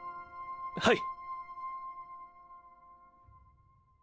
はい！